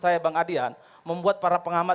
saya bang adian membuat para pengamat